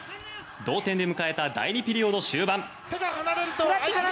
同点で迎えた第２ピリオド終盤。